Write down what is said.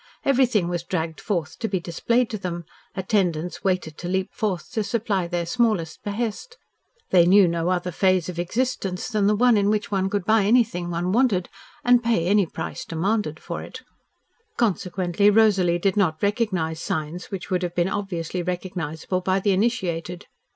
Everything was dragged forth to be displayed to them, attendants waited to leap forth to supply their smallest behest. They knew no other phase of existence than the one in which one could buy anything one wanted and pay any price demanded for it. Consequently Rosalie did not recognise signs which would have been obviously recognisable by the initiated.